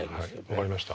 分かりました。